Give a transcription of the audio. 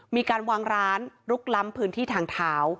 มีการวางร้านลุกล้ำพื้นที่ทางเท้า